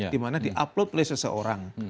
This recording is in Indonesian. di mana di upload oleh seseorang